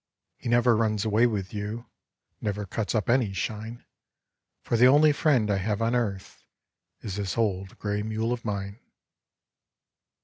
He never runs away with you, Never cuts up any shine; For the only friend I have on earth Is this old gray mule of mine.